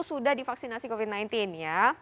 sudah divaksinasi covid sembilan belas ya